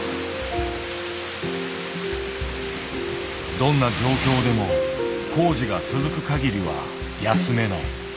どんな状況でも工事が続くかぎりは休めない。